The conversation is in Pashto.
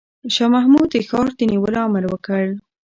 شاه محمود د ښار د نیولو امر وکړ.